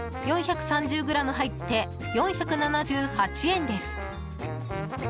４３０ｇ入って４７８円です。